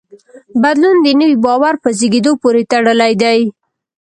بدلون د نوي باور په زېږېدو پورې تړلی دی.